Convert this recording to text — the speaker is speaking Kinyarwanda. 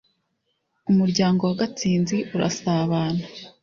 umuryango wa gatsinzi urasabana